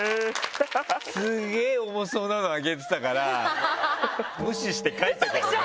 すげえ重そうなの上げてたから無視して帰ったけどね。